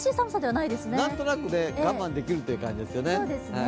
なんとなく我慢できるという感じですよね。